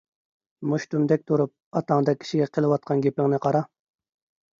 — مۇشتۇمدەك تۇرۇپ، ئاتاڭدەك كىشىگە قىلىۋاتقان گېپىڭنى قارا.